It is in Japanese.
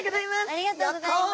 ありがとうございます！